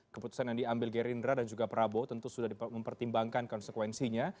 keputusan yang diambil gerindra dan juga prabowo tentu sudah mempertimbangkan konsekuensinya